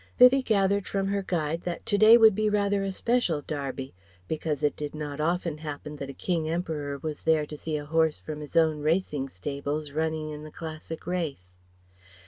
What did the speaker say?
] Vivie gathered from her guide that to day would be rather a special Derby, because it did not often happen that a King Emperor was there to see a horse from his own racing stables running in the classic race.